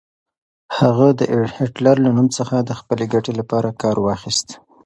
هغه د هېټلر له نوم څخه د خپلې ګټې لپاره کار واخيست.